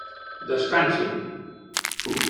Descansin!